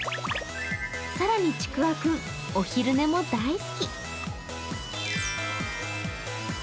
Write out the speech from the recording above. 更にちくわくん、お昼寝も大好き。